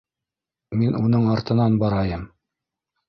Мин уның артынан барайым.